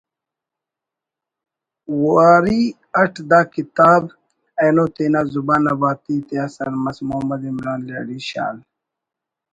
واری it the کتاب اینوتینا زبان نا باتی تیا سر مس محمد عمران لہڑی شال